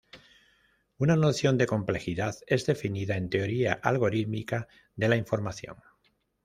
Una noción de complejidad es definida en teoría algorítmica de la información.